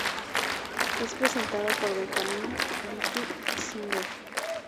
Es presentado por Benjamin "Beppe" Singer.